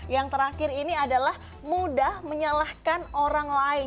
yang terakhir ini adalah mudah menyalahkan orang lain